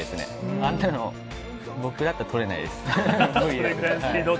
あんなの僕だったら取れないです。